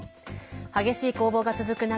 激しい攻防が続く中